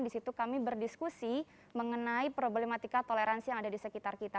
di situ kami berdiskusi mengenai problematika toleransi yang ada di sekitar kita